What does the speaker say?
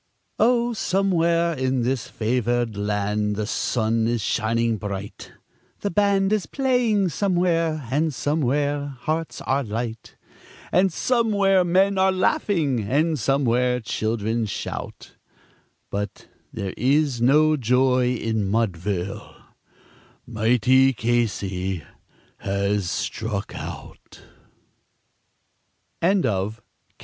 Oh, somewhere in this favoured land the sun is shining bright, The band is playing somewhere, and somewhere hearts are light, And somewhere men are laughing, and somewhere children shout; But there is no joy in Mudville mighty Casey has struck out. THE MARTYRDOM OF MR.